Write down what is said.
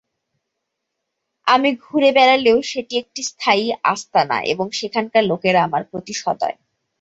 আমি ঘুড়ে বেড়ালেও সেটি একটি স্থায়ী আস্তানা, এবং সেখানকার লোকেরা আমার প্রতি সদয়।